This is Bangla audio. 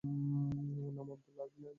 নাম- আব্দুল্লাহ ইবনে জুবায়ের।